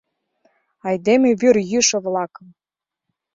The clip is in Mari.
Айдеме вӱрйӱшӧ-влакым...